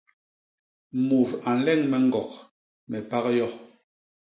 Mut a nleñ me ñgok, me pak yo.